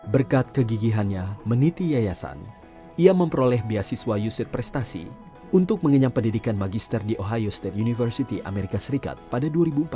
berkat kegigihannya meniti yayasan ia memperoleh beasiswa yusir prestasi untuk mengenyam pendidikan magister di ohio state university amerika serikat pada dua ribu empat belas